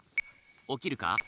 起きるか？